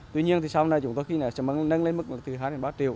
tuy nhiên sau này chúng tôi sẽ nâng lên mức hai ba triệu